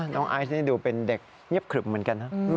ไอซ์นี่ดูเป็นเด็กเงียบขึมเหมือนกันนะ